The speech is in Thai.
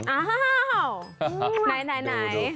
อ้าวไหน